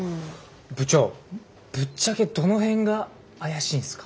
部長ぶっちゃけどの辺が怪しいんすか？